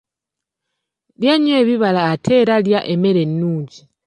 Lya nnyo ebibala ate era lya emmere ennungi.